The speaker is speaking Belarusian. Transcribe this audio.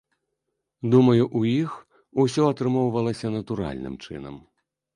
Думаю, у іх усё атрымоўвалася натуральным чынам.